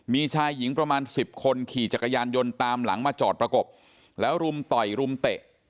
มีชายหญิงประมาณสิบคนขี่จักรยานยนต์ตามหลังมาจอดประกบแล้วรุมต่อยรุมเตะ